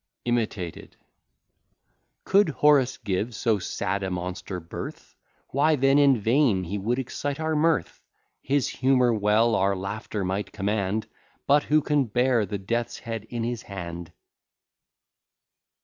IMITATED Could Horace give so sad a monster birth? Why then in vain he would excite our mirth; His humour well our laughter might command, But who can bear the death's head in his hand?